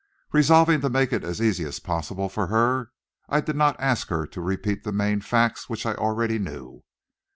Resolving to make it as easy as possible for her, I did not ask her to repeat the main facts, which I already knew.